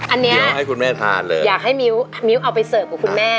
อันนี้ให้คุณแม่ทานเลยอยากให้มิ้วมิ้วเอาไปเสิร์ฟกับคุณแม่